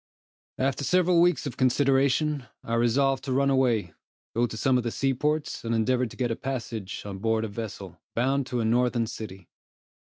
After several weeks of consideration, I resolved to run away, go to some of the seaports, and endeavor to get a passage on board a vessel, bound to a northern city.